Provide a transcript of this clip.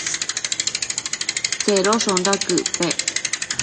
Tsedoshonda quëc pec?